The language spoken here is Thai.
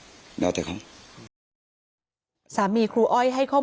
มีเรื่องอะไรมาคุยกันรับได้ทุกอย่าง